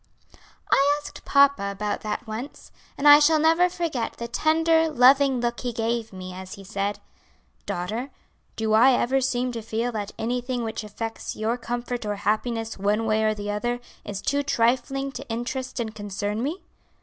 "I asked papa about that once, and I shall never forget the tender, loving look he gave me as he said: 'Daughter, do I ever seem to feel that anything which affects your comfort or happiness one way or the other, is too trifling to interest and concern me?'